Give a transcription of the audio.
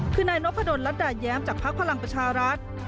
คือนายนพดลรัฐดาแย้มจากพักพลังประชารัฐ